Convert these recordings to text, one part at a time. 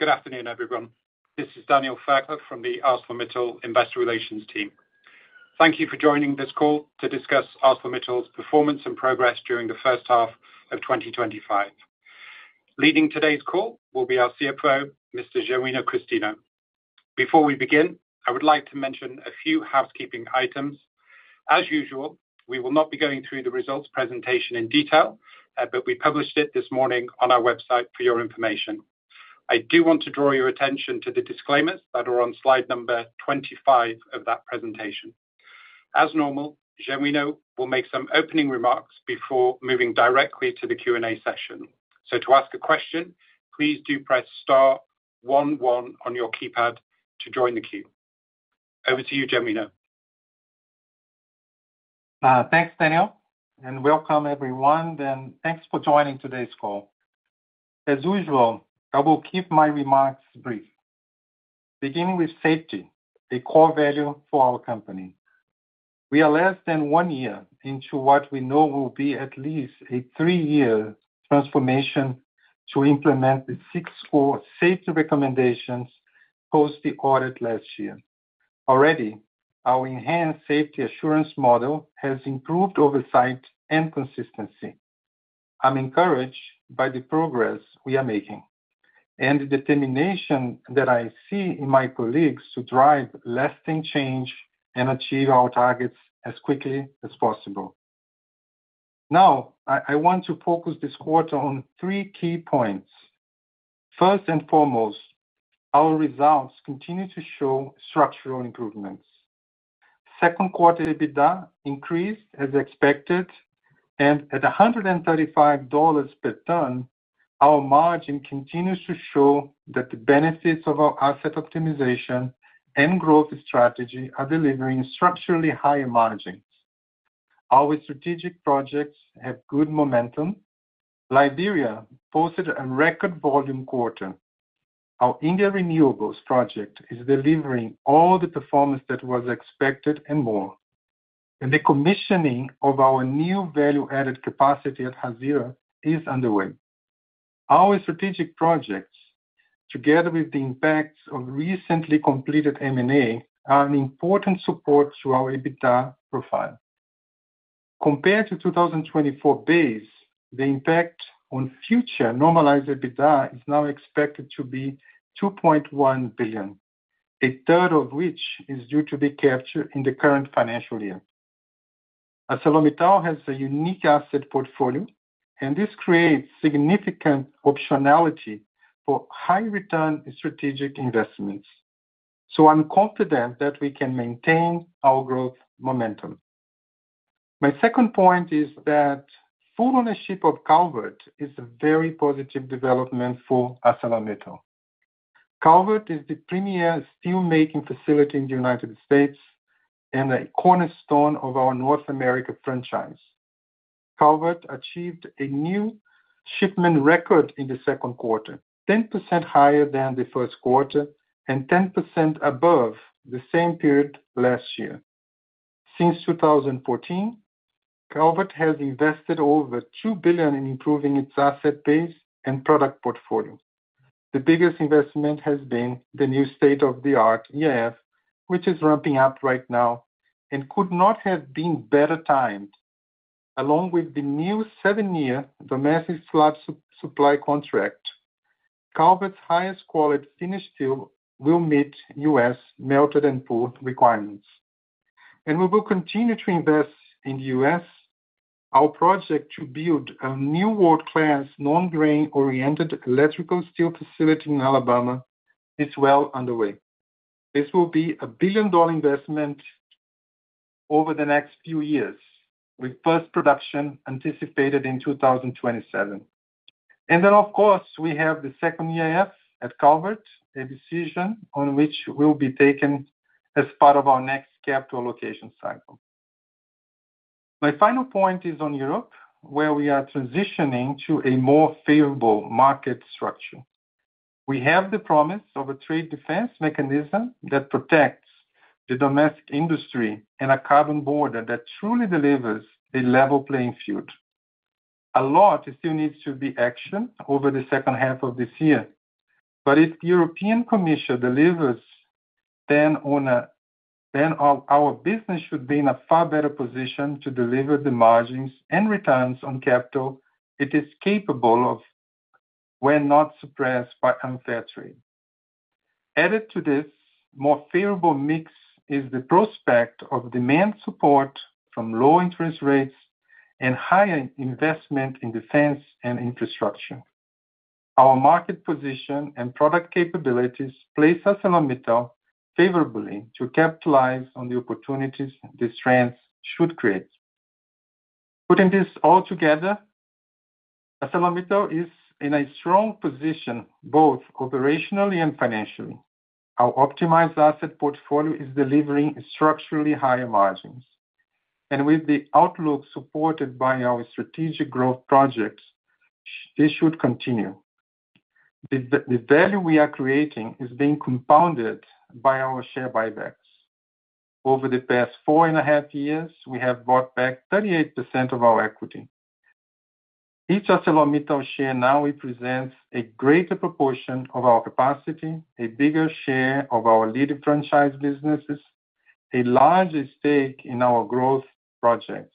Good afternoon, everyone. This is Daniel Fairclough from the ArcelorMittal Investor Relations team. Thank you for joining this call to discuss ArcelorMittal's performance and progress during the first half of 2025. Leading today's call will be our CFO, Mr. Genuino Christino. Before we begin, I would like to mention a few housekeeping items. As usual, we will not be going through the results presentation in detail, but we published it this morning on our website for your information. I do want to draw your attention to the disclaimers that are on slide number 25 of that presentation. As normal, Genuino will make some opening remarks before moving directly to the Q&A session. To ask a question, please do press *11 on your keypad to join the queue. Over to you, Genuino. Thanks, Daniel. Welcome, everyone, and thanks for joining today's call. As usual, I will keep my remarks brief. Beginning with safety, a core value for our company, we are less than one year into what we know will be at least a three-year transformation to implement the six core safety recommendations post the audit last year. Already, our enhanced safety assurance model has improved oversight and consistency. I'm encouraged by the progress we are making and the determination that I see in my colleagues to drive lasting change and achieve our targets as quickly as possible. Now, I want to focus this quarter on three key points. First and foremost, our results continue to show structural improvements. Second quarter EBITDA increased as expected, and at $135 per ton, our margin continues to show that the benefits of our asset optimization and growth strategy are delivering structurally higher margins. Our strategic projects have good momentum. Liberia posted a record volume quarter. Our India Renewables project is delivering all the performance that was expected and more, and the commissioning of our new value-added capacity at Hazira is underway. Our strategic projects, together with the impacts of recently completed M&A, are an important support to our EBITDA profile. Compared to the 2024 base, the impact on future normalized EBITDA is now expected to be $2.1 billion, a third of which is due to be captured in the current financial year. ArcelorMittal has a unique asset portfolio, and this creates significant optionality for high-return strategic investments. I'm confident that we can maintain our growth momentum. My second point is that full ownership of Calvert is a very positive development for ArcelorMittal. Calvert is the premier steelmaking facility in the United States and a cornerstone of our North America franchise. Calvert achieved a new shipment record in the second quarter, 10% higher than the first quarter and 10% above the same period last year. Since 2014, Calvert has invested over $2 billion in improving its asset base and product portfolio. The biggest investment has been the new state-of-the-art EAF, which is ramping up right now and could not have been better timed. Along with the new seven-year domestic flood supply contract, Calvert's highest quality finished steel will meet U.S. melted and poured requirements, and we will continue to invest in the U.S. Our project to build a new world-class non-grain-oriented electrical steel facility in Alabama is well underway. This will be a $1 billion investment over the next few years, with first production anticipated in 2027. Of course, we have the second EAF at Calvert, a decision on which will be taken as part of our next capital allocation cycle. My final point is on Europe, where we are transitioning to a more favorable market structure. We have the promise of a trade defense mechanism that protects the domestic industry and a carbon border that truly delivers a level playing field. A lot still needs to be actioned over the second half of this year. If the European Commission delivers, then our business should be in a far better position to deliver the margins and returns on capital it is capable of when not suppressed by unfair trade. Added to this more favorable mix is the prospect of demand support from low interest rates and higher investment in defense and infrastructure. Our market position and product capabilities place ArcelorMittal favorably to capitalize on the opportunities the strengths should create. Putting this all together, ArcelorMittal is in a strong position both operationally and financially. Our optimized asset portfolio is delivering structurally higher margins, and with the outlook supported by our strategic growth projects, this should continue. The value we are creating is being compounded by our share buybacks. Over the past four and a half years, we have bought back 38% of our equity. Each ArcelorMittal share now represents a greater proportion of our capacity, a bigger share of our leading franchise businesses, a larger stake in our growth projects,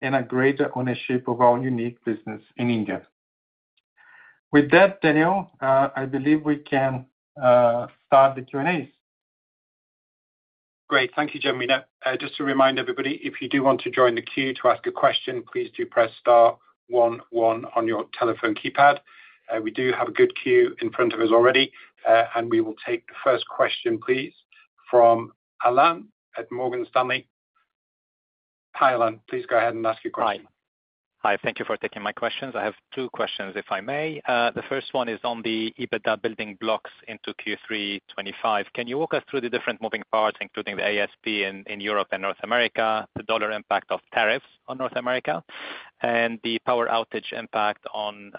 and a greater ownership of our unique business in India. With that, Daniel, I believe we can start the Q&As. Great. Thank you, Genuino. Just to remind everybody, if you do want to join the queue to ask a question, please do press *11 on your telephone keypad. We do have a good queue in front of us already, and we will take the first question, please, from Alan at Morgan Stanley. Hi, Alain. Please go ahead and ask your question. Hi. Thank you for taking my questions. I have two questions, if I may. The first one is on the EBITDA building blocks into Q3 2025. Can you walk us through the different moving parts, including the ASP in Europe and North America, the dollar impact of tariffs on North America, and the power outage impact on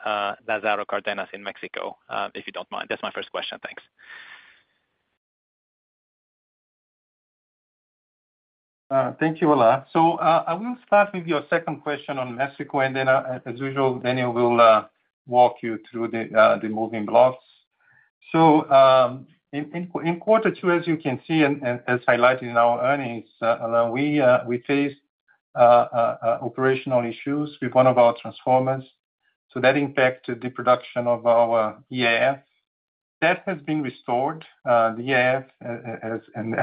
Lázaro Cárdenas in Mexico, if you don't mind? That's my first question. Thanks. Thank you, Alain. I will start with your second question on Mexico. As usual, Daniel will walk you through the moving blocks. In quarter two, as you can see and as highlighted in our earnings, Alain, we faced operational issues with one of our transformers. That impacted the production of our EAF. That has been restored. The EAF,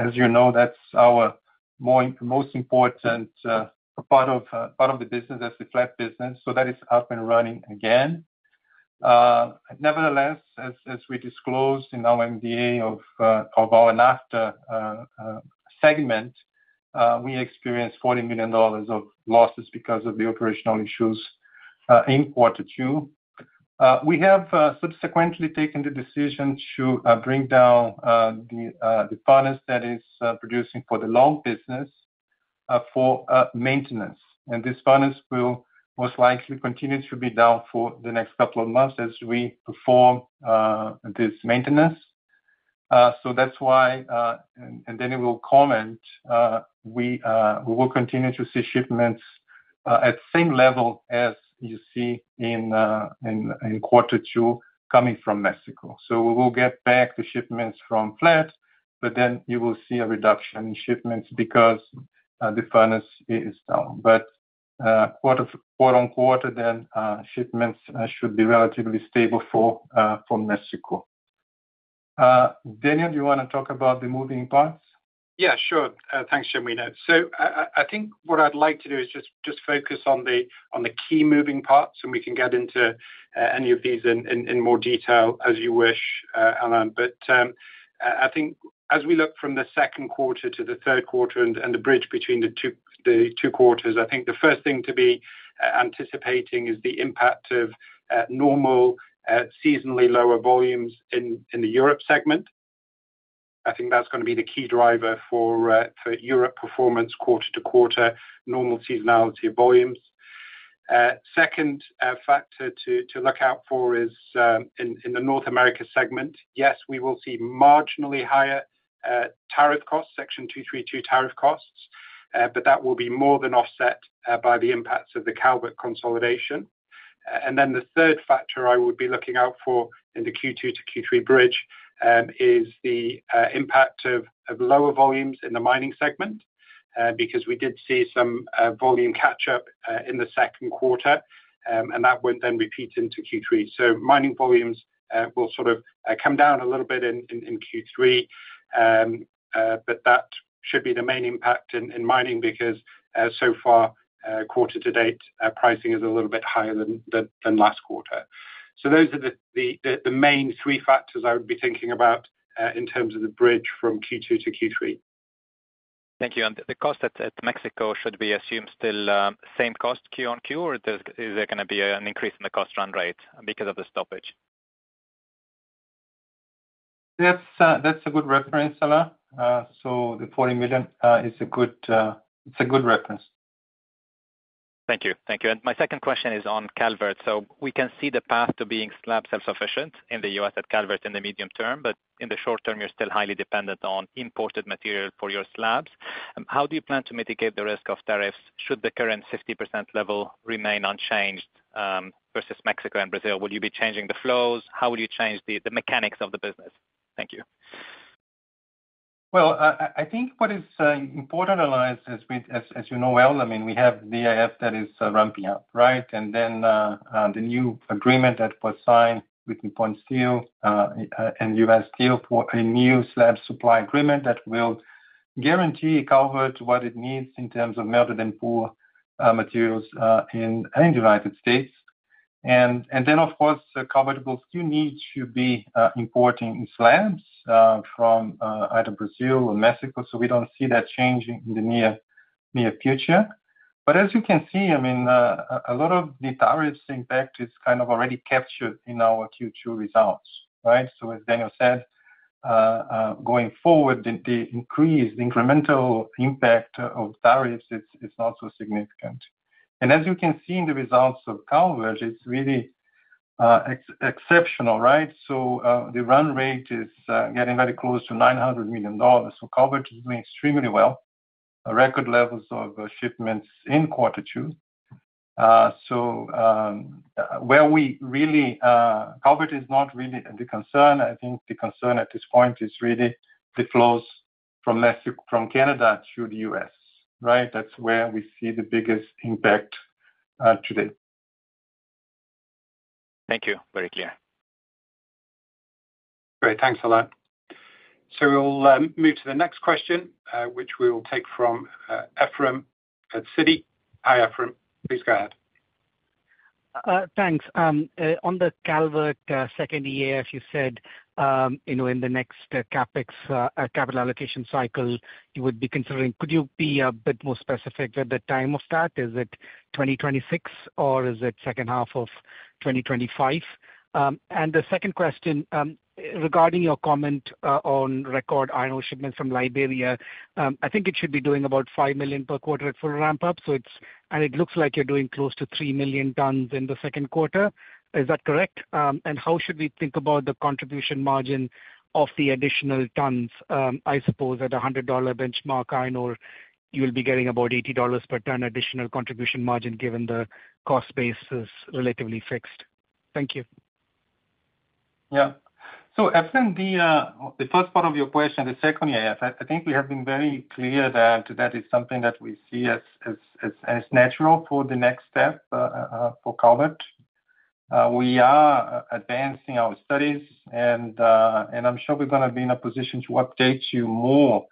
as you know, that's our most important part of the business, that's the flat business. That is up and running again. Nevertheless, as we disclosed in our MDA of our NAFTA segment, we experienced $40 million of losses because of the operational issues in quarter two. We have subsequently taken the decision to bring down the furnace that is producing for the long business for maintenance. This furnace will most likely continue to be down for the next couple of months as we perform this maintenance. That is why we will continue to see shipments at the same level as you see in quarter two coming from Mexico. We will get back the shipments from flat, but you will see a reduction in shipments because the furnace is down, but quarter-on-quarter, shipments should be relatively stable from Mexico. Daniel, do you want to talk about the moving parts? Yeah, sure. Thanks, Genuino. I think what I'd like to do is just focus on the key moving parts, and we can get into any of these in more detail as you wish, Alain. I think as we look from the second quarter to the third quarter and the bridge between the two quarters, the first thing to be anticipating is the impact of normal seasonally lower volumes in the Europe segment. I think that's going to be the key driver for Europe performance quarter-to-quarter, normal seasonality of volumes. The second factor to look out for is in the North America segment. Yes, we will see marginally higher Section 232 tariff costs, but that will be more than offset by the impacts of the Calvert consolidation. The third factor I would be looking out for in the Q2 to Q3 bridge is the impact of lower volumes in the mining segment because we did see some volume catch-up in the second quarter, and that won't then repeat into Q3. Mining volumes will sort of come down a little bit in Q3, but that should be the main impact in mining because so far, quarter to date, pricing is a little bit higher than last quarter. Those are the main three factors I would be thinking about in terms of the bridge from Q2 to Q3. Thank you. The cost at Mexico, should we assume still same cost QoQ, or is there going to be an increase in the cost run rate because of the stoppage? That's a good reference, Alain. The $40 million is a good reference. Thank you. Thank you. My second question is on Calvert. We can see the path to being slab self-sufficient in the U.S. at Calvert in the medium term, but in the short term, you're still highly dependent on imported material for your slabs. How do you plan to mitigate the risk of tariffs should the current 50% level remain unchanged versus Mexico and Brazil? Will you be changing the flows? How will you change the mechanics of the business? Thank you. I think what is important, Alain, as you know well, we have the EAF that is ramping up, right? Then the new agreement that was signed with DuPont Steel and U.S. Steel for a new slab supply agreement that will guarantee Calvert what it needs in terms of melted and poured materials in the United States. Of course, Calvert will still need to be importing slabs from either Brazil or Mexico. We don't see that change in the near future. As you can see, a lot of the tariffs impact is kind of already captured in our Q2 results, right? As Daniel said, going forward, the increase, the incremental impact of tariffs is not so significant. As you can see in the results of Calvert, it's really exceptional, right? The run rate is getting very close to $900 million. Calvert is doing extremely well, record levels of shipments in quarter two. Where we really, Calvert is not really the concern. I think the concern at this point is really the flows from Canada to the U.S., right? That's where we see the biggest impact today. Thank you. Very clear. Great. Thanks, Alain. We'll move to the next question, which we will take from Ephrem at Citi. Hi, Ephrem. Please go ahead. Thanks. On the Calvert second year, as you said, in the next capital allocation cycle, you would be considering, could you be a bit more specific at the time of that? Is it 2026, or is it second half of 2025? The second question regarding your comment on record iron ore shipments from Liberia, I think it should be doing about $5 million per quarter at full ramp-up. It looks like you're doing close to $3 million in the second quarter. Is that correct? How should we think about the contribution margin of the additional tons, I suppose, at a $100 benchmark iron ore, you'll be getting about $80 per ton additional contribution margin given the cost base is relatively fixed? Thank you. Yeah. So, Ephrem, the first part of your question, the second year, I think we have been very clear that that is something that we see as natural for the next step for Calvert. We are advancing our studies, and I'm sure we're going to be in a position to update you more.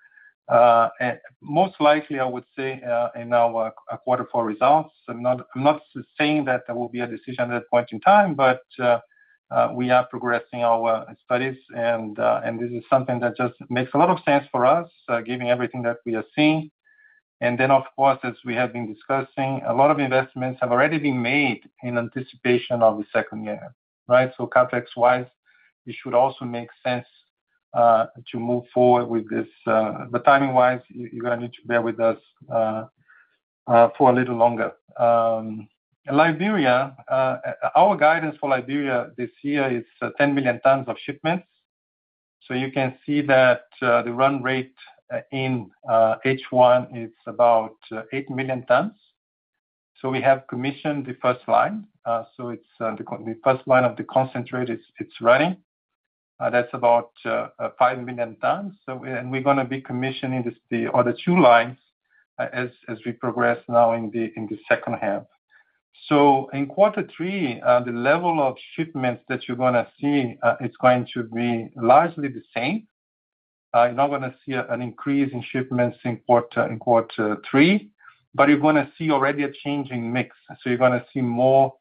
Most likely, I would say, in our quarter four results. I'm not saying that there will be a decision at that point in time. We are progressing our studies, and this is something that just makes a lot of sense for us, given everything that we are seeing. Of course, as we have been discussing, a lot of investments have already been made in anticipation of the second year, right? CapEx-wise, it should also make sense to move forward with this. Timing-wise, you're going to need to bear with us for a little longer. Liberia, our guidance for Liberia this year is 10 million tons of shipments. You can see that the run rate in H1 is about 8 million tons. We have commissioned the first line. It's the first line of the concentrate, it's running. That's about 5 million tons. We're going to be commissioning the other two lines as we progress now in the second half. In quarter three, the level of shipments that you're going to see is going to be largely the same. You're not going to see an increase in shipments in quarter three, but you're going to see already a changing mix. You're going to see more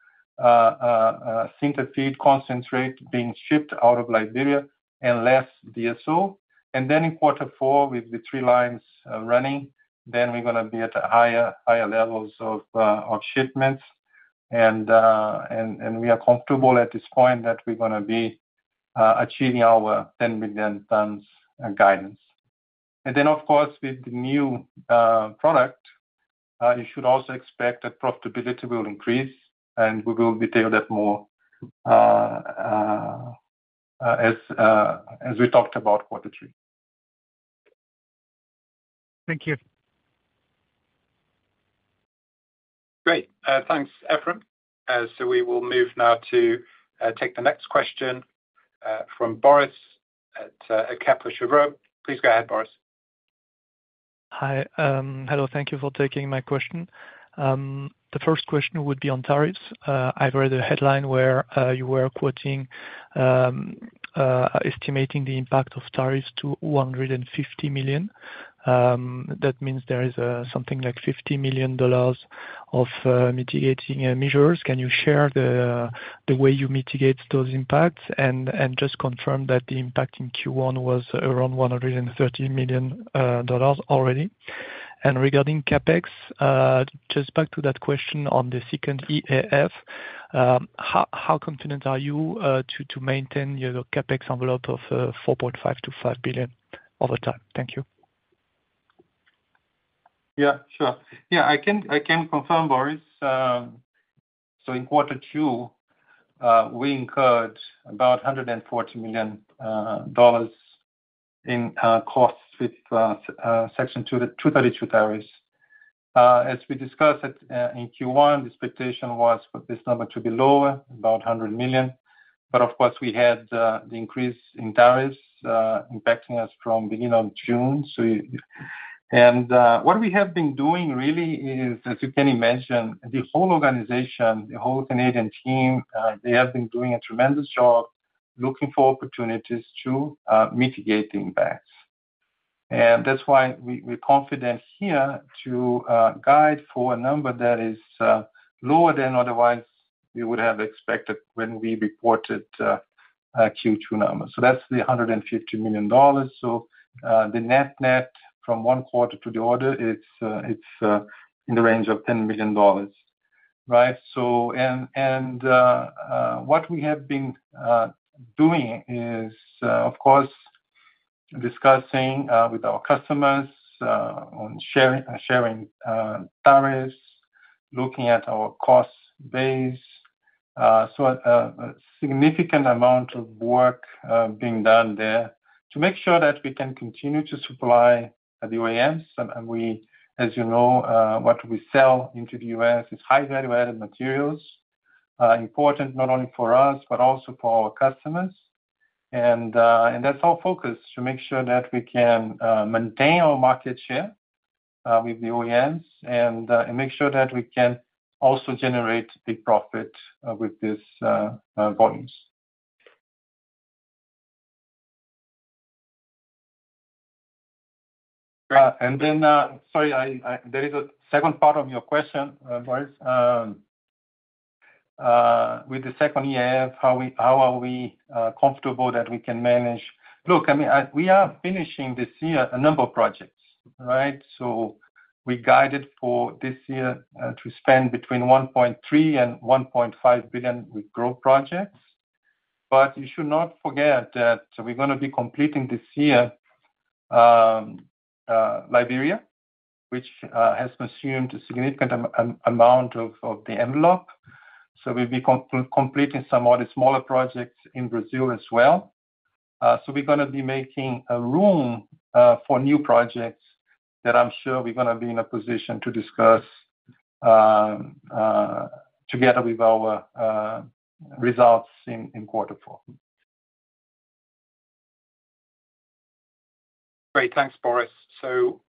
synthetic feed concentrate being shipped out of Liberia and less DSO. In quarter four, with the three lines running, then we're going to be at higher levels of shipments. We are comfortable at this point that we're going to be achieving our 10 million tons guidance. With the new product, you should also expect that profitability will increase, and we will detail that more as we talked about quarter three. Thank you. Great. Thanks, Ephrem. We will move now to take the next question from Boris at Kepler Cheuvreux. Please go ahead, Boris. Hi. Hello. Thank you for taking my question. The first question would be on tariffs. I've read a headline where you were quoting, estimating the impact of tariffs to $150 million. That means there is something like $50 million of mitigating measures. Can you share the way you mitigate those impacts and just confirm that the impact in Q1 was around $130 million already? Regarding CapEx, just back to that question on the second EAF, how confident are you to maintain your CapEx envelope of $4.5 to $5 billion over time? Thank you. Yeah, sure. I can confirm, Boris. In quarter two, we incurred about $140 million in costs with Section 232 tariffs. As we discussed in Q1, the expectation was for this number to be lower, about $100 million. We had the increase in tariffs impacting us from the beginning of June. What we have been doing really is, as you can imagine, the whole organization, the whole Canadian team, they have been doing a tremendous job looking for opportunities to mitigate the impacts. That's why we're confident here to guide for a number that is lower than otherwise we would have expected when we reported Q2 number. That's the $150 million. The net-net from one quarter to the other is in the range of $10 million, right? What we have been doing is, of course, discussing with our customers on sharing tariffs, looking at our cost base. A significant amount of work being done there to make sure that we can continue to supply the OEMs. As you know, what we sell into the US is high-value-added materials, important not only for us, but also for our customers. That's our focus to make sure that we can maintain our market share with the OEMs and make sure that we can also generate big profit with this. Volumes. There is a second part of your question, Boris. With the second EAF, how are we comfortable that we can manage? Look, I mean, we are finishing this year a number of projects, right? We guided for this year to spend between $1.3 and $1.5 billion with growth projects. You should not forget that we're going to be completing this year Liberia, which has consumed a significant amount of the envelope. We'll be completing some of the smaller projects in Brazil as well. We're going to be making room for new projects that I'm sure we're going to be in a position to discuss together with our results in quarter four. Great. Thanks, Boris.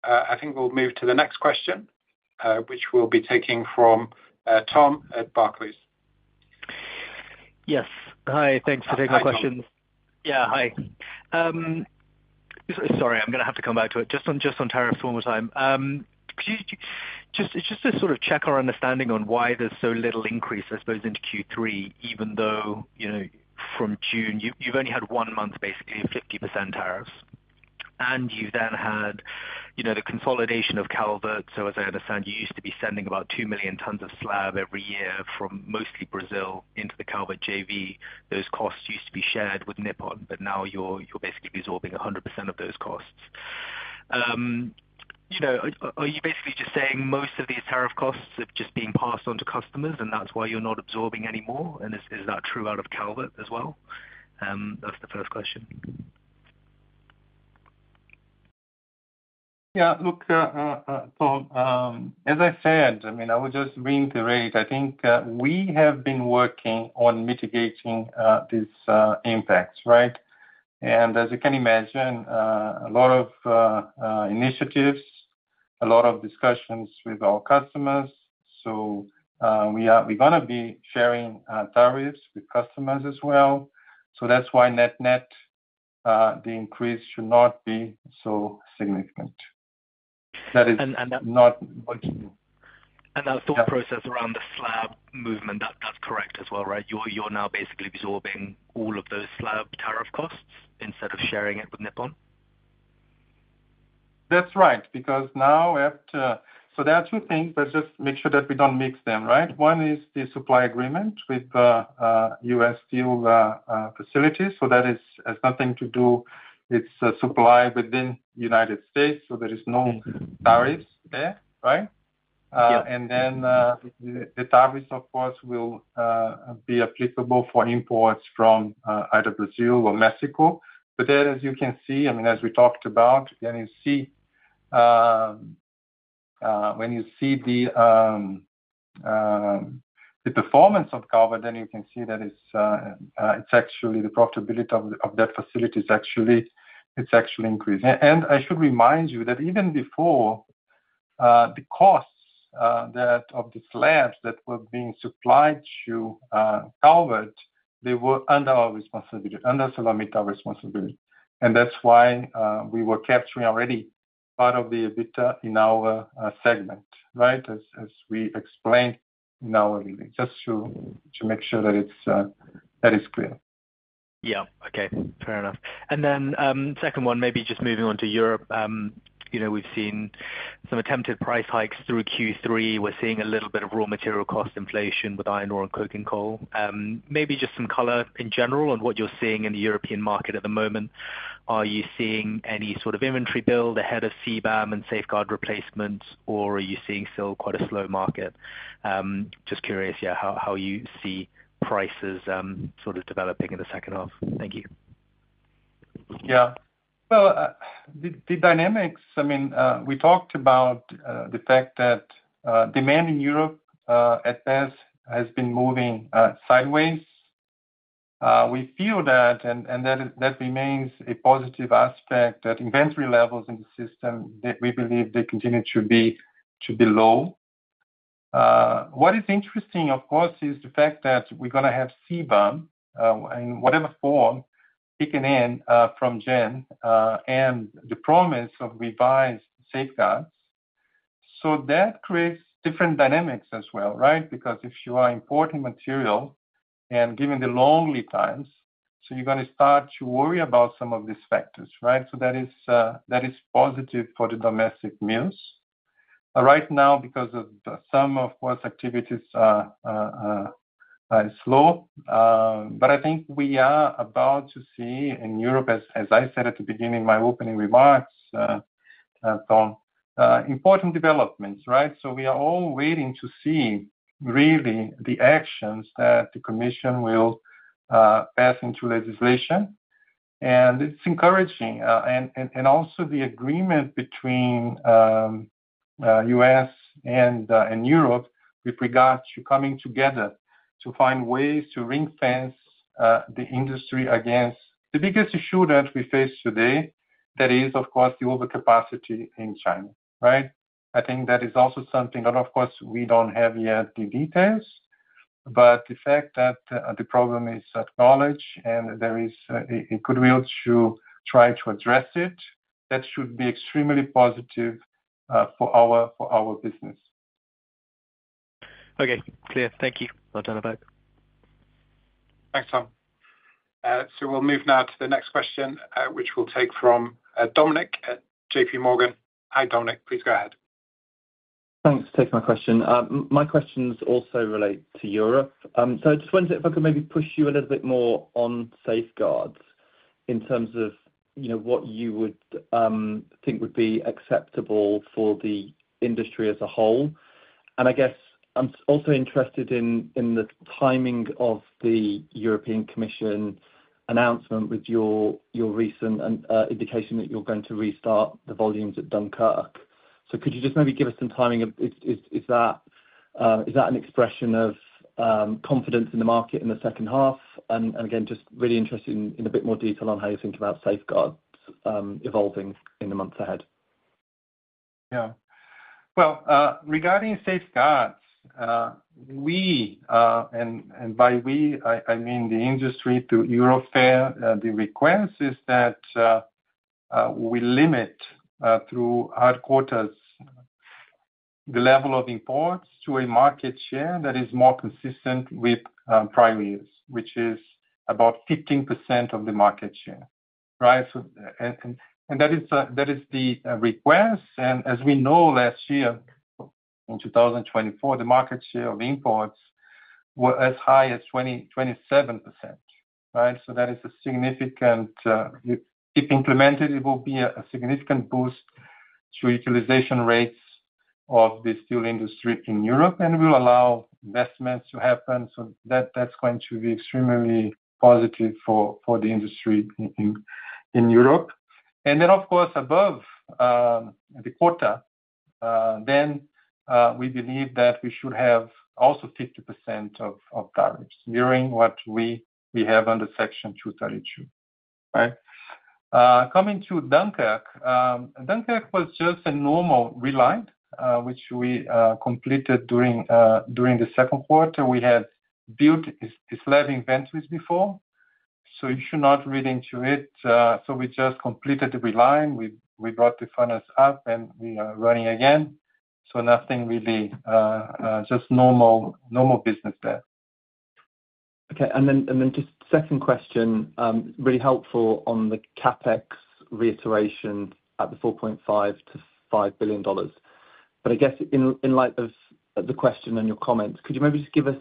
I think we'll move to the next question, which we'll be taking from Tom at Barclays. Yes. Hi, thanks for taking the question. Yeah. Hi. Sorry, I'm going to have to come back to it. Just on tariffs one more time. Just to sort of check our understanding on why there's so little increase, I suppose, into Q3, even though from June, you've only had one month basically of 50% tariffs. You've then had the consolidation of Calvert. As I understand, you used to be sending about 2 million tons of slab every year from mostly Brazil into the Calvert JV. Those costs used to be shared with Nippon, but now you're basically absorbing 100% of those costs. Are you basically just saying most of these tariff costs have just been passed on to customers, and that's why you're not absorbing any more? Is that true out of Calvert as well? That's the first question. Yeah. Look, Tom, as I said, I would just reiterate, I think we have been working on mitigating these impacts, right? As you can imagine, a lot of initiatives, a lot of discussions with our customers. We're going to be sharing tariffs with customers as well. That's why, net net, the increase should not be so significant. That is not. That thought process around the slab movement, that's correct as well, right? You're now basically absorbing all of those slab tariff costs instead of sharing it with Nippon? That's right. There are two things, but just make sure that we don't mix them, right? One is the supply agreement with U.S. Steel facilities. That has nothing to do, it's supply within the United States, so there are no tariffs there, right? The tariffs, of course, will be applicable for imports from either Brazil or Mexico. As you can see, as we talked about, when you see the performance of Calvert, you can see that the profitability of that facility is actually increasing. I should remind you that even before, the costs of the slabs that were being supplied to Calvert, they were under our responsibility, under ArcelorMittal responsibility. That's why we were capturing already part of the EBITDA in our segment, as we explained in our release, just to make sure that is clear. Okay. Fair enough. And then, second one, maybe just moving on to Europe. We've seen some attempted price hikes through Q3. We're seeing a little bit of raw material cost inflation with iron ore and coking coal. Maybe just some color in general on what you're seeing in the European market at the moment. Are you seeing any sort of inventory build ahead of CBAM and safeguard replacements, or are you seeing still quite a slow market? Just curious how you see prices sort of developing in the second half. Thank you. Yeah. The dynamics, I mean, we talked about the fact that demand in Europe at best has been moving sideways. We feel that, and that remains a positive aspect, that inventory levels in the system, we believe they continue to be low. What is interesting, of course, is the fact that we're going to have CBAM in whatever form kicking in from Jan and the promise of revised safeguards. That creates different dynamics as well, right? If you are importing material and given the long lead times, you're going to start to worry about some of these factors, right? That is positive for the domestic mills. Right now, because of the summer, of course, activities are slow. I think we are about to see in Europe, as I said at the beginning of my opening remarks, some important developments, right? We are all waiting to see really the actions that the Commission will pass into legislation. It's encouraging. Also, the agreement between the U.S. and Europe with regard to coming together to find ways to ring-fence the industry against the biggest issue that we face today, that is, of course, the overcapacity in China, right? I think that is also something, and of course, we don't have yet the details. The fact that the problem is acknowledged and there is a goodwill to try to address it, that should be extremely positive for our business. Okay. Clear. Thank you. Thanks, Tom. We'll move now to the next question, which we'll take from Dominic at JPMorgan. Hi, Dominic. Please go ahead. Thanks for taking my question. My questions also relate to Europe. I just wondered if I could maybe push you a little bit more on safeguards in terms of what you would think would be acceptable for the industry as a whole. I guess I'm also interested in the timing of the European Commission announcement with your recent indication that you're going to restart the volumes at Dunkirk. Could you just maybe give us some timing? Is that an expression of confidence in the market in the second half? I'm just really interested in a bit more detail on how you think about safeguards evolving in the months ahead. Yeah. Regarding safeguards, we, and by we, I mean the industry to Europe fair, the request is that we limit through our quarters the level of imports to a market share that is more consistent with prior years, which is about 15% of the market share, right? That is the request. As we know, last year, in 2024, the market share of imports was as high as 27%, right? That is significant. If implemented, it will be a significant boost to utilization rates of the steel industry in Europe and will allow investments to happen. That is going to be extremely positive for the industry in Europe. Of course, above the quarter, we believe that we should have also 50% of tariffs mirroring what we have under Section 232, right? Coming to Dunkirk, Dunkirk was just a normal reline, which we completed during the second quarter. We had built slab inventories before, so you should not read into it. We just completed the reline, we brought the funnels up, and we are running again. Nothing really, just normal business there. Okay. Then just second question, really helpful on the CapEx reiteration at the $4.5 to $5 billion. I guess in light of the question and your comments, could you maybe just give us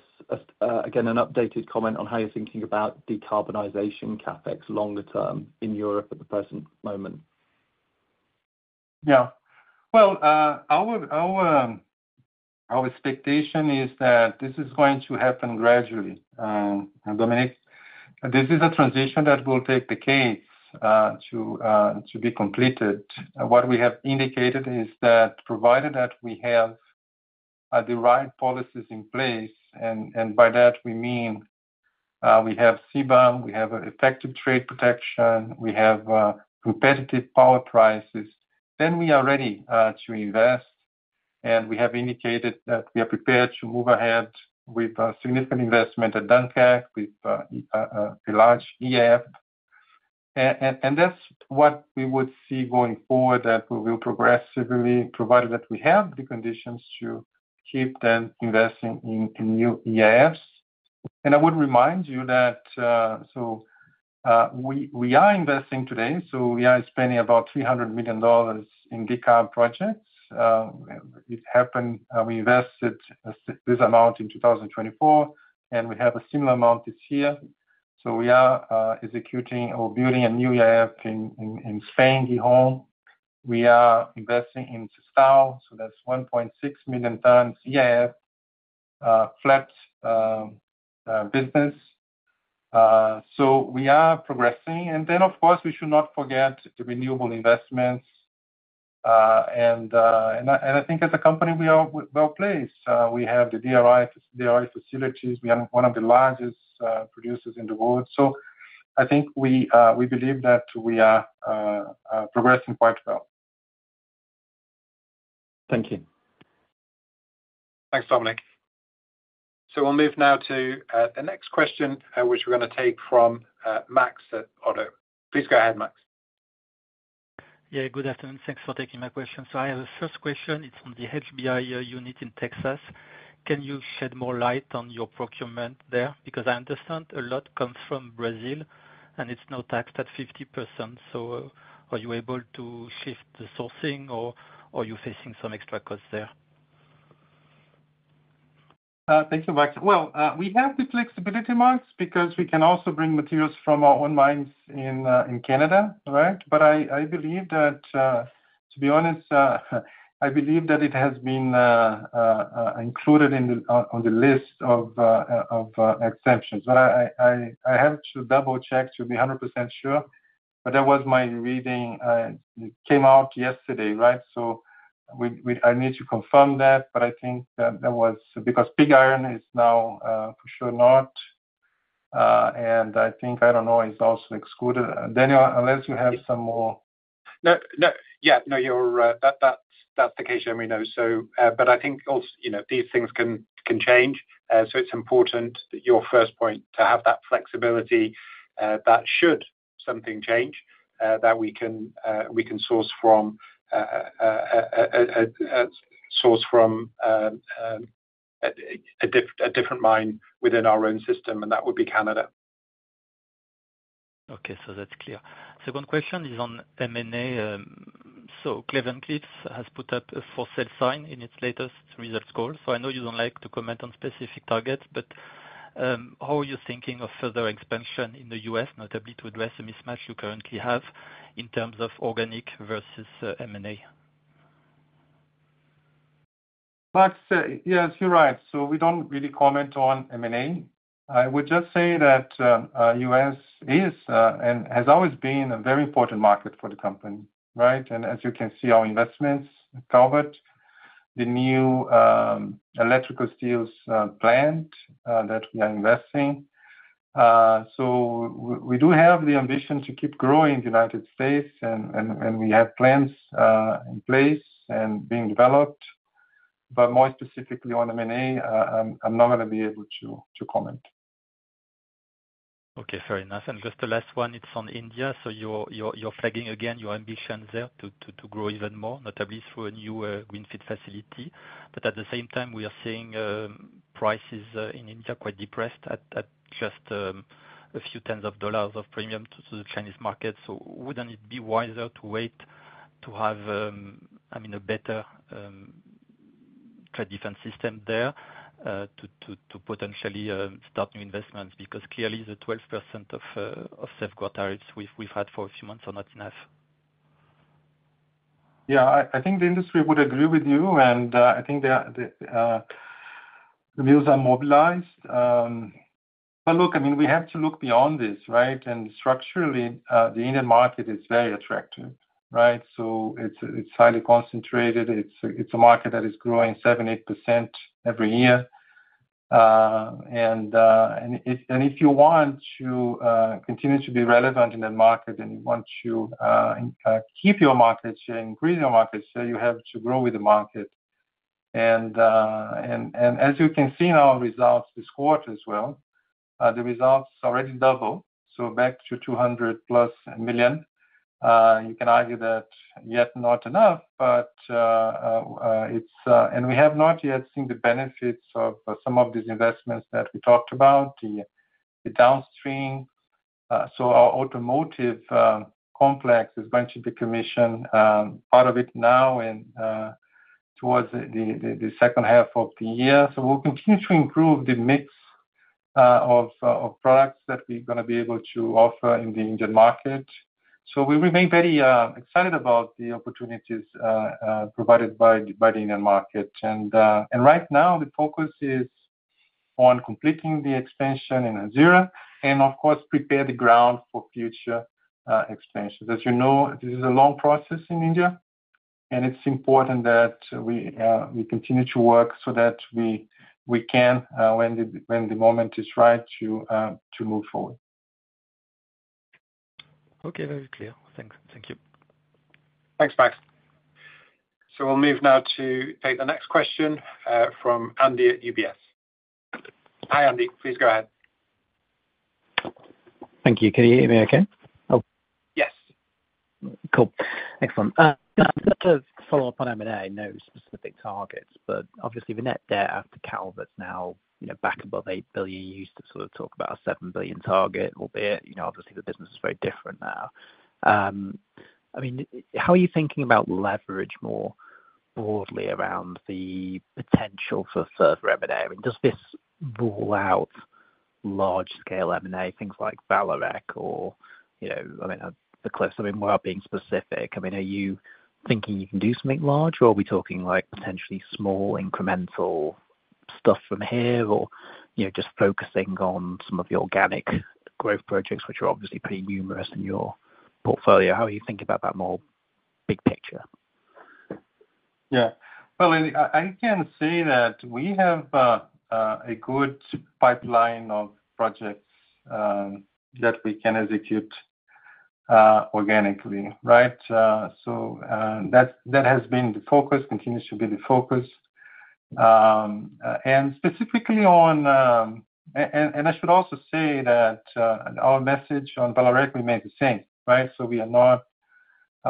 again an updated comment on how you're thinking about decarbonization CapEx longer term in Europe at the present moment? Our expectation is that this is going to happen gradually. Dominic, this is a transition that will take decades to be completed. What we have indicated is that provided that we have the right policies in place, and by that we mean we have CBAM, we have effective trade protection, we have competitive power prices, then we are ready to invest. We have indicated that we are prepared to move ahead with significant investment at Dunkirk, with a large EAF. That is what we would see going forward, that we will progressively, provided that we have the conditions, keep investing in new EAFs. I would remind you that we are investing today. We are spending about $300 million in decarb projects. It happened, we invested this amount in 2024, and we have a similar amount this year. We are executing or building a new EAF in Spain, Gijón. We are investing in Sestao. That is 1.6 million tons EAF. Flat business. We are progressing. Of course, we should not forget the renewable investments. I think as a company, we are well placed. We have the DRI facilities. We are one of the largest producers in the world. I think we believe that we are progressing quite well. Thank you. Thanks, Dominic. We'll move now to the next question, which we're going to take from Max at Oddo. Please go ahead, Max. Good afternoon. Thanks for taking my question. I have a first question. It's from the HBI unit in Texas. Can you shed more light on your procurement there? I understand a lot comes from Brazil, and it's not taxed at 50%. Are you able to shift the sourcing, or are you facing some extra costs there? Thank you, Max. We have the flexibility, Max, because we can also bring materials from our own mines in Canada, right? I believe that, to be honest, I believe that it has been included on the list of exceptions. I have to double-check to be 100% sure, but that was my reading. It came out yesterday, right? I need to confirm that. I think that was because pig iron is now for sure not, and I think, I don't know, is also excluded. Daniel, unless you have some more. Yeah, that's the case, Genuino. I think these things can change. It's important, to your first point, to have that flexibility that should something change, we can source from a different mine within our own system, and that would be Canada. Okay, that's clear. Second question is on M&A. Cleveland Cliffs has put up a for sale sign in its latest results call. I know you don't like to comment on specific targets, but how are you thinking of further expansion in the US, notably to address the mismatch you currently have in terms of organic versus M&A? Max, yeah, you're right. We don't really comment on M&A. I would just say that the U.S. is and has always been a very important market for the company, right? As you can see, our investments covered the new electrical steels plant that we are investing in. We do have the ambition to keep growing in the United States, and we have plans in place and being developed. More specifically on M&A, I'm not going to be able to comment. Okay. Very nice. Just the last one, it's on India. You're flagging again your ambitions there to grow even more, notably through a new greenfield facility. At the same time, we are seeing prices in India quite depressed at just a few tens of dollars of premium to the Chinese market. Wouldn't it be wiser to wait to have, I mean, a better defense system there to potentially start new investments? Clearly, the 12% of safeguard tariffs we've had for a few months are not enough. Yeah. I think the industry would agree with you. I think the views are mobilized. Look, I mean, we have to look beyond this, right? Structurally, the Indian market is very attractive, right? It's highly concentrated. It's a market that is growing 7%, 8% every year. If you want to continue to be relevant in that market and you want to keep your market share, increase your market share, you have to grow with the market. As you can see in our results this quarter as well, the results already doubled, so back to +$200 million. You can argue that yet not enough, but we have not yet seen the benefits of some of these investments that we talked about, the downstream. Our automotive complex is going to be commissioned, part of it now towards the second half of the year. We'll continue to improve the mix of products that we're going to be able to offer in the Indian market. We remain very excited about the opportunities provided by the Indian market. Right now, the focus is on completing the expansion in Hazira and, of course, prepare the ground for future expansions. As you know, this is a long process in India, and it's important that we continue to work so that we can, when the moment is right, move forward. Okay. Very clear. Thank you. Thanks, Max. We'll move now to take the next question from Andy at UBS. Hi, Andy. Please go ahead. Thank you. Can you hear me okay? Yes. Cool. Excellent. Just to follow up on M&A, no specific targets, but obviously, the net debt after Calvert's now back above $8 billion, you used to sort of talk about a $7 billion target, albeit, obviously, the business is very different now. I mean, how are you thinking about leverage more broadly around the potential for further M&A? Does this rule out large-scale M&A, things like Vallourec or, I mean, the Cliffs? Without being specific, are you thinking you can do something large, or are we talking potentially small incremental stuff from here or just focusing on some of the organic growth projects, which are obviously pretty numerous in your portfolio? How are you thinking about that more big picture? I can say that we have a good pipeline of projects that we can execute organically, right? That has been the focus, continues to be the focus. Specifically on, I should also say that our message on Valorec, we made the same, right?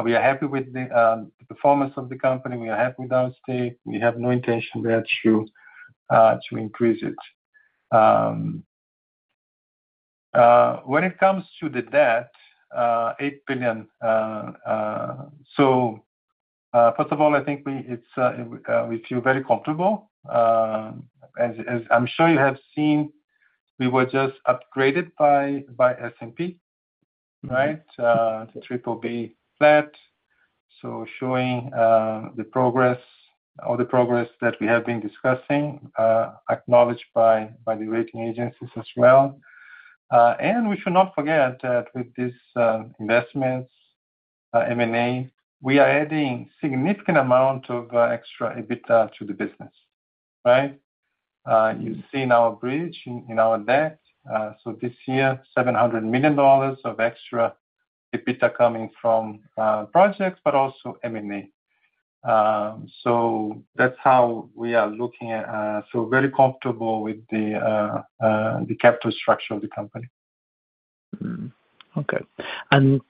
We are happy with the performance of the company. We are happy with our state. We have no intention there to increase it. When it comes to the debt, $8 billion. First of all, I think we feel very comfortable. As I'm sure you have seen, we were just upgraded by S&P, right? The BBB flat, showing the progress, all the progress that we have been discussing, acknowledged by the rating agencies as well. We should not forget that with these investments, M&A, we are adding a significant amount of extra EBITDA to the business, right? You see in our bridge, in our debt. This year, $700 million of extra EBITDA coming from projects, but also M&A. That's how we are looking. Very comfortable with the capital structure of the company. Okay.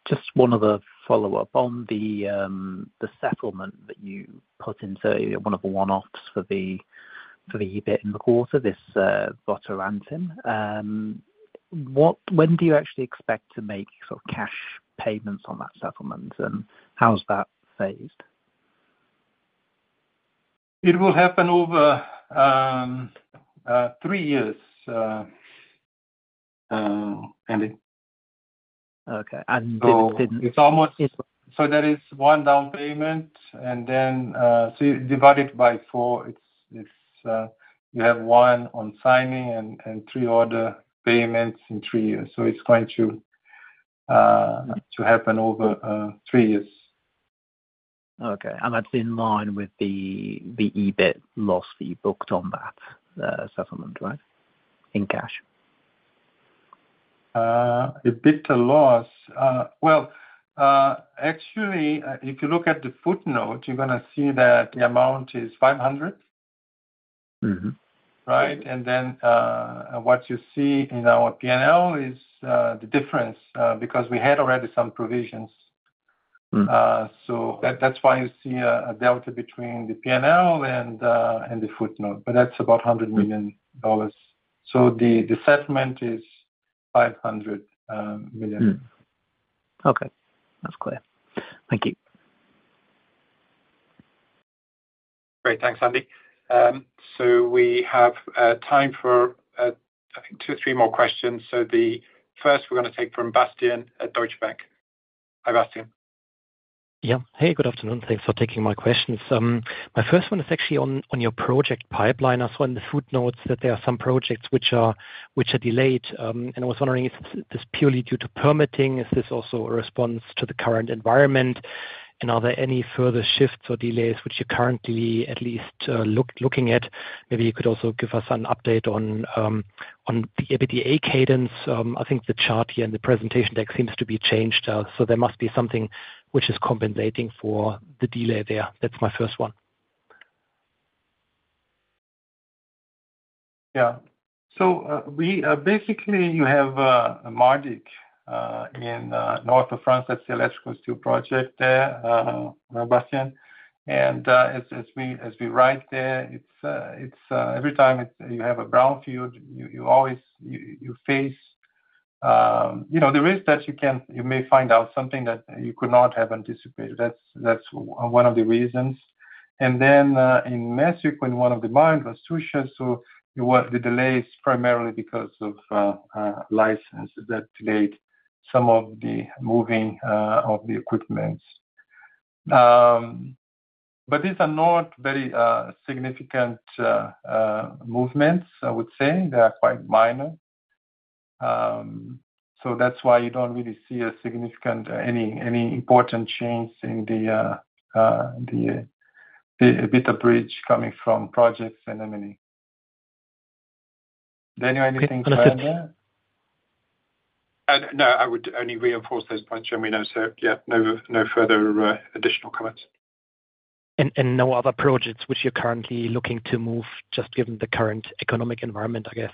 Just one other follow-up on the settlement that you put in, one of the one-offs for the EBIT in the quarter, this Votorantim. When do you actually expect to make sort of cash payments on that settlement, and how is that phased? It will happen over three years. Okay. Didn't? There is one down payment, and then you divide it by four. You have one on signing and three other payments in three years. It's going to happen over three years. Okay. That's in line with the EBIT loss that you booked on that settlement, right, in cash? If you look at the footnote, you're going to see that the amount is $500 million, right? What you see in our P&L is the difference because we had already some provisions. That's why you see a delta between the P&L and the footnote. That's about $100 million. The settlement is $500 million. Okay, that's clear. Thank you. Great. Thanks, Andy. We have time for, I think, two or three more questions. The first we're going to take from Bastian at Deutsche Bank. Hi, Bastian. Yeah. Hey, good afternoon. Thanks for taking my questions. My first one is actually on your project pipeline. I saw in the footnotes that there are some projects which are delayed. I was wondering, is this purely due to permitting? Is this also a response to the current environment? Are there any further shifts or delays which you're currently at least looking at? Maybe you could also give us an update on the EBITDA cadence. I think the chart here in the presentation deck seems to be changed. There must be something which is compensating for the delay there? That's my first one. Yeah. Basically, you have Mardik in north of France. That's the electrical steel project there, Bastian. As we write there, every time you have a brownfield, you always face the risk that you may find out something that you could not have anticipated. That's one of the reasons. In Mexico, in one of the mines, it was Tusha. The delay is primarily because of licenses that delayed some of the moving of the equipment. These are not very significant movements, I would say. They are quite minor. That's why you don't really see a significant, any important change in the EBITDA bridge coming from projects and M&A. Daniel, anything further? No, I would only reinforce those points, Genuino. Yeah, no further additional comments. There no other projects which you're currently looking to move, just given the current economic environment, I guess?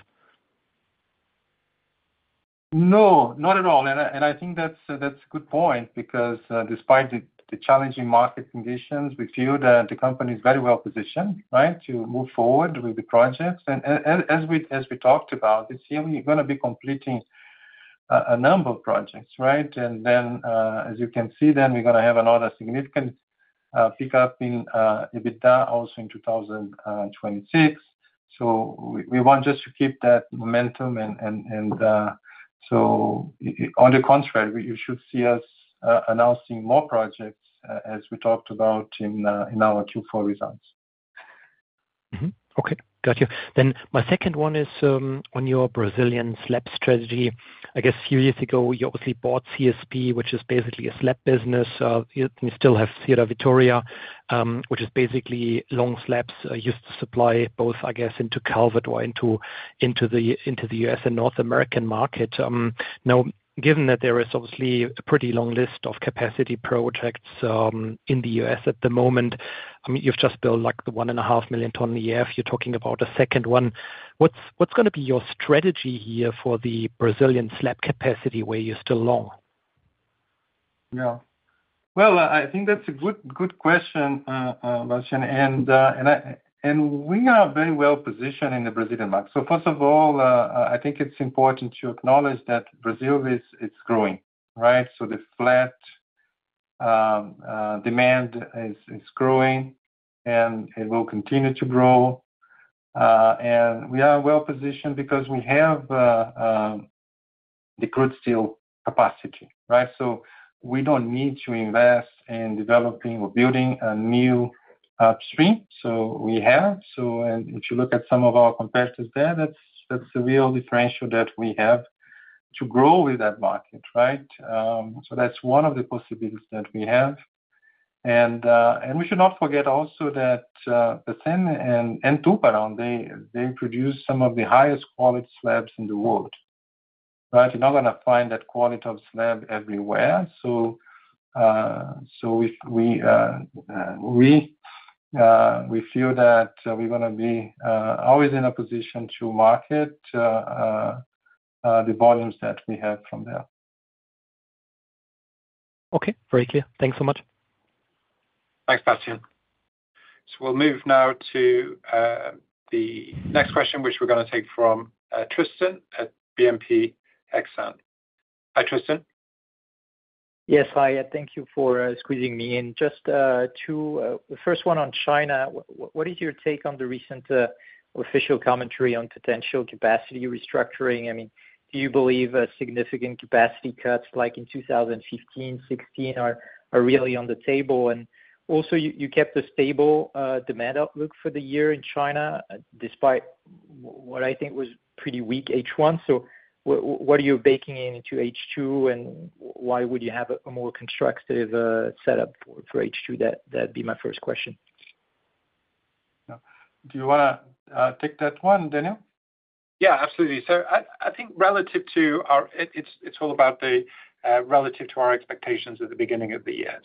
No, not at all. I think that's a good point because despite the challenging market conditions, we feel that the company is very well positioned, right, to move forward with the projects. As we talked about, this year, we're going to be completing a number of projects, right? As you can see, we're going to have another significant pickup in EBITDA also in 2026. We want just to keep that momentum. On the contrary, you should see us announcing more projects, as we talked about in our Q4 results. Okay. Got you. My second one is on your Brazilian slab strategy. I guess a few years ago, you obviously bought CSP, which is basically a slab business. You still have Serra Vitória, which is basically long slabs used to supply both, I guess, into Calvert or into the U.S. and North American market. Now, given that there is obviously a pretty long list of capacity projects in the U.S. at the moment, I mean, you've just built like the 1.5 million ton a year. If you're talking about a second one, what's going to be your strategy here for the Brazilian slab capacity where you're still long? Yeah. I think that's a good question, Bastian. We are very well positioned in the Brazilian market. First of all, I think it's important to acknowledge that Brazil is growing, right? The flat demand is growing, and it will continue to grow. We are well positioned because we have the crude steel capacity, right? We don't need to invest in developing or building a new upstream. If you look at some of our competitors there, that's the real differential that we have to grow with that market, right? That's one of the possibilities that we have. We should not forget also that Thyssen and Tubarao, they produce some of the highest quality slabs in the world, right? You're not going to find that quality of slab everywhere. We feel that we're going to be always in a position to market the volumes that we have from there. Okay, very clear. Thanks so much. Thanks, Bastian. We'll move now to the next question, which we're going to take from Tristan at BNP Exane. Hi, Tristan. Yes, hi. Thank you for squeezing me in. Just two. The first one on China. What is your take on the recent official commentary on potential capacity restructuring? I mean, do you believe significant capacity cuts like in 2015, 2016 are really on the table? Also, you kept a stable demand outlook for the year in China despite what I think was pretty weak H1. What are you baking into H2, and why would you have a more constructive setup for H2? That'd be my first question. Do you want to take that one, Daniel? Yeah, absolutely. I think relative to our expectations at the beginning of the year,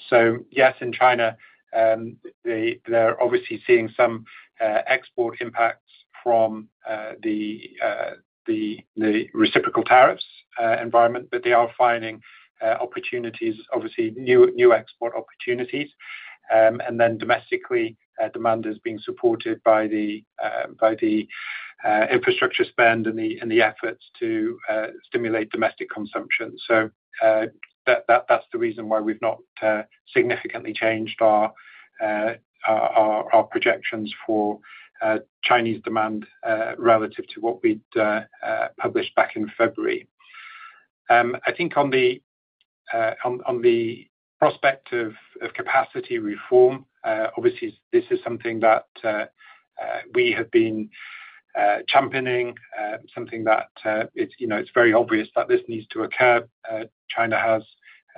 yes, in China, they're obviously seeing some export impacts from the reciprocal tariffs environment, but they are finding opportunities, obviously new export opportunities. Domestically, demand is being supported by the infrastructure spend and the efforts to stimulate domestic consumption. That's the reason why we've not significantly changed our projections for Chinese demand relative to what we'd published back in February. I think on the prospect of capacity reform, obviously, this is something that we have been championing, something that is very obvious that this needs to occur. China has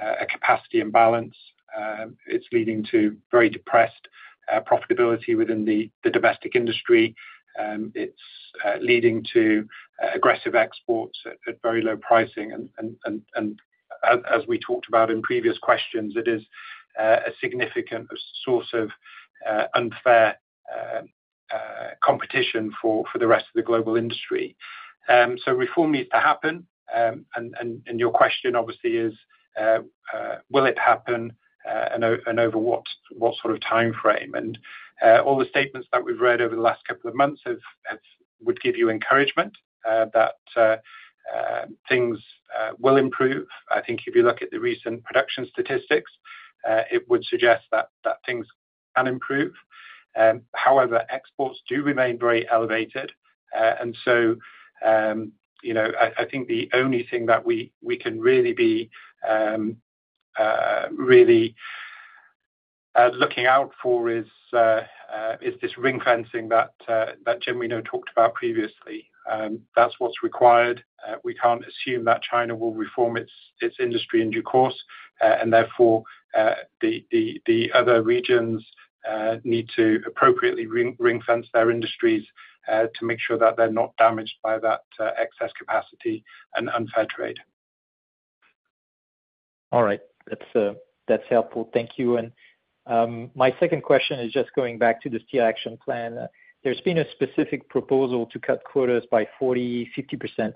a capacity imbalance. It's leading to very depressed profitability within the domestic industry. It's leading to aggressive exports at very low pricing. As we talked about in previous questions, it is a significant source of unfair competition for the rest of the global industry. Reform needs to happen. Your question, obviously, is will it happen and over what sort of timeframe? All the statements that we've read over the last couple of months would give you encouragement that things will improve. I think if you look at the recent production statistics, it would suggest that things can improve. However, exports do remain very elevated. I think the only thing that we can really be looking out for is this ring-fencing that Genuino talked about previously. That's what's required. We can't assume that China will reform its industry in due course. Therefore, the other regions need to appropriately ring-fence their industries to make sure that they're not damaged by that excess capacity and unfair trade. All right. That's helpful. Thank you. My second question is just going back to the steel action plan. There's been a specific proposal to cut quotas by 40%, 50%.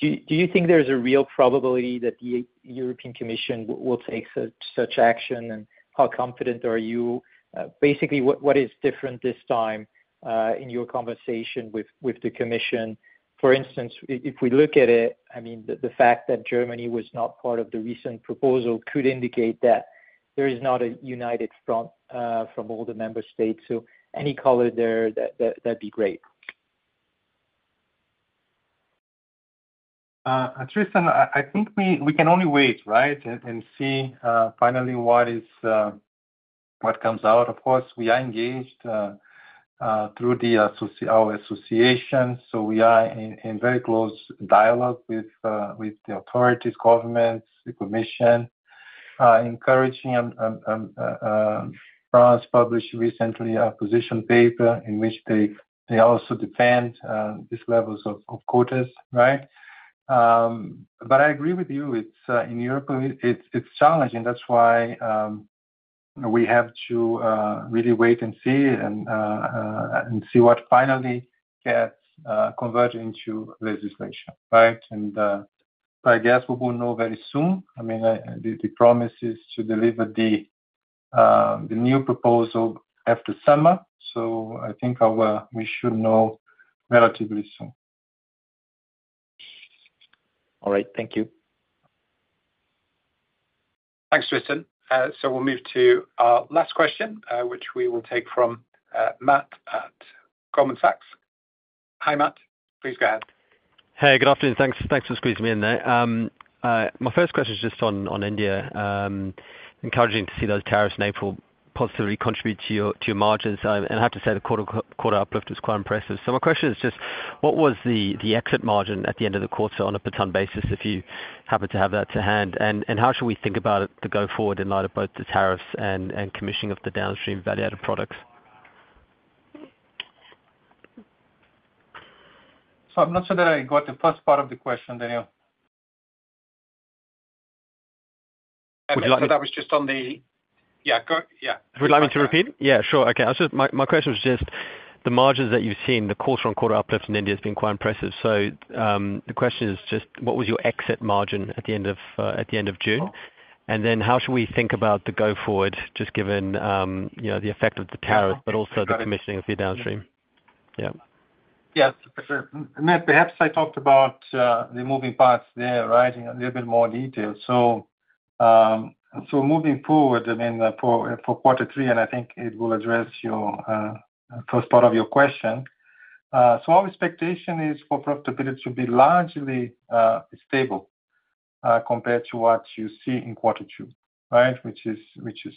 Do you think there's a real probability that the European Commission will take such action? How confident are you? Basically, what is different this time in your conversation with the Commission? For instance, if we look at it, the fact that Germany was not part of the recent proposal could indicate that there is not a united front from all the member states. Any color there, that'd be great. Tristan, I think we can only wait and see finally what comes out. Of course, we are engaged through our associations, so we are in very close dialogue with the authorities, governments, the Commission. Encouragingly, France published recently a position paper in which they also defend these levels of quotas, right? I agree with you. In Europe, it's challenging. That's why we have to really wait and see what finally gets converted into legislation, right? I guess we will know very soon. I mean, the promise is to deliver the new proposal after summer. I think we should know relatively soon. All right. Thank you. Thanks, Tristan. We'll move to our last question, which we will take from Matt at Goldman Sachs. Hi, Matt. Please go ahead. Hey, good afternoon. Thanks for squeezing me in there. My first question is just on India. Encouraging to see those tariffs in April positively contribute to your margins. I have to say the quota uplift was quite impressive. My question is just, what was the exit margin at the end of the quota on a per ton basis, if you happen to have that to hand? How should we think about it to go forward in light of both the tariffs and commissioning of the downstream value-added products? I'm not sure that I got the first part of the question, Daniel. Would you like me. That was just on the. Yeah. Would you like me to repeat it? Yeah, sure. Okay. My question was just the margins that you've seen, the quarter-on-quarter uplift in India has been quite impressive. The question is just, what was your exit margin at the end of June? How should we think about the go-forward, just given the effect of the tariff, but also the commissioning of the downstream? Yeah. Yeah, for sure. Perhaps I talked about the moving parts there in a little bit more detail. Moving forward, for quarter three, I think it will address the first part of your question. Our expectation is for profitability to be largely stable compared to what you see in quarter two, which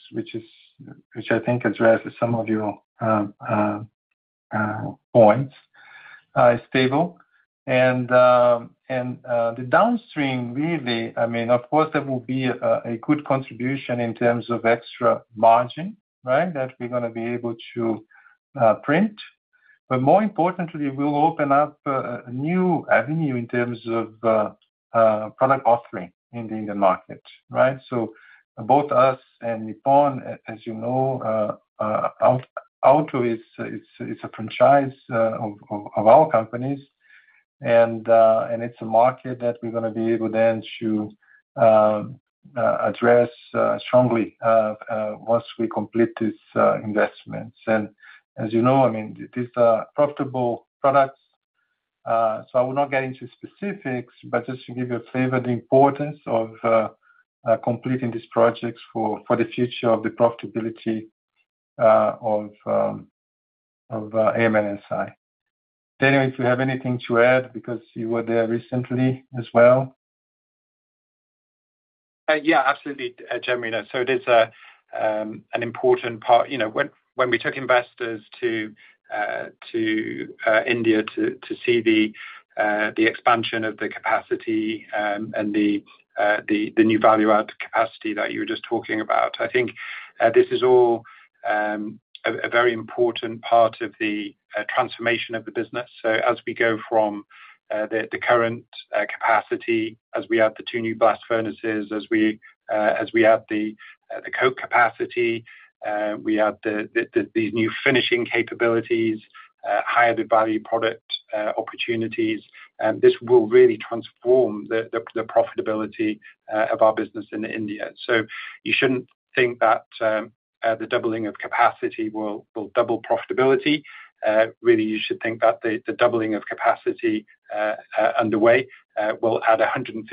I think addresses some of your points. It is stable. The downstream, really, of course, there will be a good contribution in terms of extra margin that we're going to be able to print. More importantly, it will open up a new avenue in terms of product offering in the Indian market, right? Both us and Nippon, as you know, auto is a franchise of our companies, and it's a market that we're going to be able then to address strongly once we complete these investments. As you know, these are profitable products. I will not get into specifics, but just to give you a flavor of the importance of completing these projects for the future of the profitability of AMNSI. Daniel, if you have anything to add because you were there recently as well? Yeah, absolutely, Genuino. It is an important part. When we took investors to India to see the expansion of the capacity and the new value-added capacity that you were just talking about, I think this is all a very important part of the transformation of the business. As we go from the current capacity, as we add the two new blast furnaces, as we add the coke capacity, we add these new finishing capabilities, higher-value product opportunities, this will really transform the profitability of our business in India. You shouldn't think that the doubling of capacity will double profitability. Really, you should think that the doubling of capacity underway will add 150%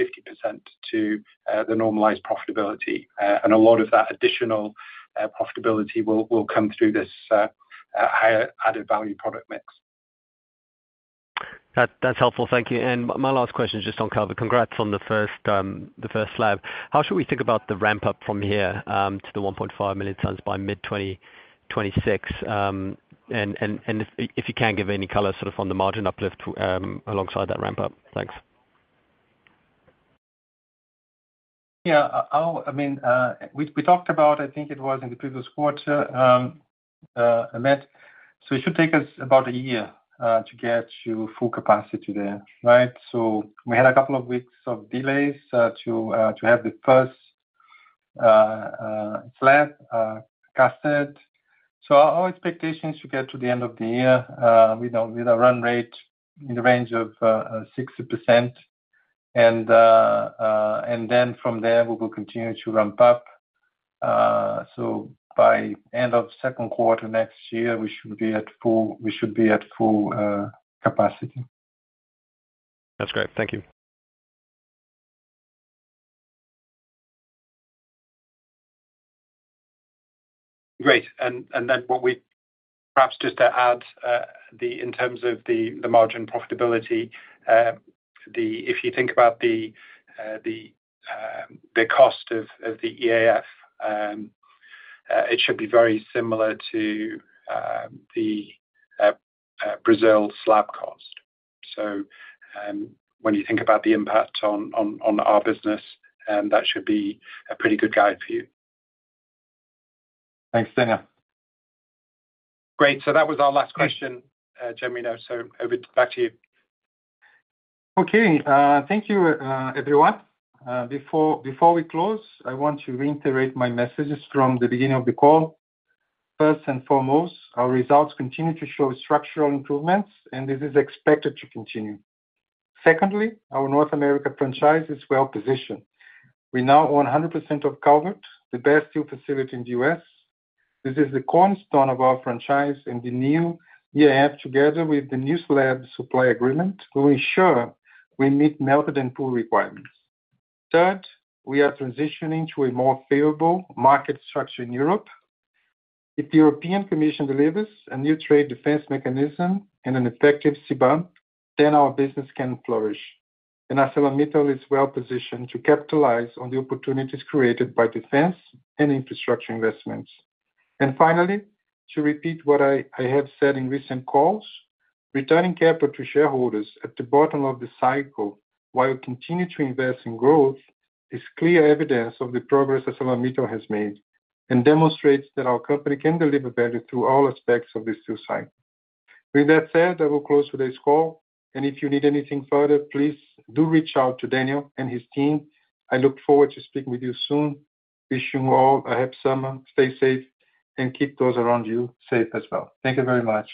to the normalized profitability. A lot of that additional profitability will come through this higher-value product mix. That's helpful. Thank you. My last question is just on Calvert. Congrats on the first slab. How should we think about the ramp-up from here to the 1.5 million tons by mid-2026? If you can give any color sort of on the margin uplift alongside that ramp-up. Thanks. Yeah. I mean, we talked about, I think it was in the previous quarter. It should take us about a year to get to full capacity there, right? We had a couple of weeks of delays to have the first slab casted. Our expectation is to get to the end of the year with a run rate in the range of 60%. From there, we will continue to ramp up. By the end of the second quarter next year, we should be at full capacity. That's great. Thank you. Great. Perhaps just to add in terms of the margin profitability, if you think about the cost of the EAF, it should be very similar to the Brazil slab cost. When you think about the impact on our business, that should be a pretty good guide for you. Thanks, Daniel. Great. That was our last question, Genuino. Over back to you. Okay. Thank you, everyone. Before we close, I want to reiterate my messages from the beginning of the call. First and foremost, our results continue to show structural improvements, and this is expected to continue. Secondly, our North America franchise is well positioned. We now own 100% of Calvert, the best steel facility in the U.S. This is the cornerstone of our franchise, and the new EAF, together with the new slab supply agreement, will ensure we meet melted and pool requirements. Third, we are transitioning to a more favorable market structure in Europe. If the European Commission delivers a new trade defense mechanism and an effective CBAM, our business can flourish. ArcelorMittal is well positioned to capitalize on the opportunities created by defense and infrastructure investments. Finally, to repeat what I have said in recent calls, returning capital to shareholders at the bottom of the cycle while continuing to invest in growth is clear evidence of the progress ArcelorMittal has made and demonstrates that our company can deliver value through all aspects of the steel cycle. With that said, I will close today's call. If you need anything further, please do reach out to Daniel and his team. I look forward to speaking with you soon. Wish you all a happy summer. Stay safe and keep those around you safe as well. Thank you very much.